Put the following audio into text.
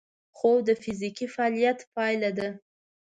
خوب د فزیکي فعالیت پایله ده